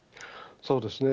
そうですね。